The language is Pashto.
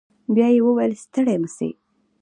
بيا يې وويل ستړي مه سئ.